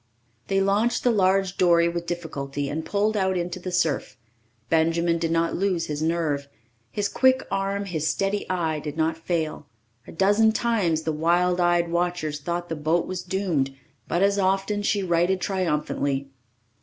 They launched the large dory with difficulty and pulled out into the surf. Benjamin did not lose his nerve. His quick arm, his steady eye did not fail. A dozen times the wild eyed watchers thought the boat was doomed, but as often she righted triumphantly.